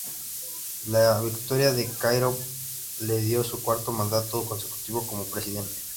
La victoria de Karimov le dio su cuarto mandato consecutivo como presidente.